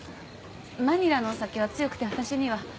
マニラのお酒は強くて私には。